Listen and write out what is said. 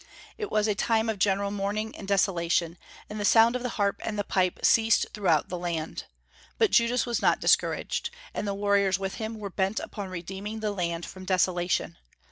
It was a time of general mourning and desolation, and the sound of the harp and the pipe ceased throughout the land. But Judas was not discouraged; and the warriors with him were bent upon redeeming the land from desolation.